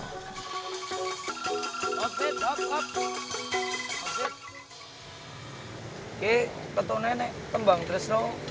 oke ketua nenek tembang terus tuh